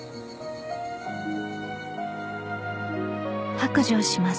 ［白状します。